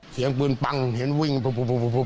เสียงปืนปั้งเห็นวิ่งปุ๊บ